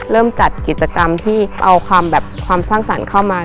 เริ่มจัดกิจกรรมที่เอาความสร้างสรรค์เข้ามา